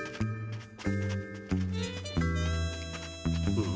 うん？